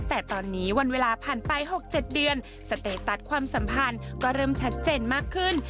แต่ตอนนี้วันเวลาผ่านไป๖๗เดือนสเตตัสความสัมพันธ์ก็เริ่มชัดเจนมากขึ้น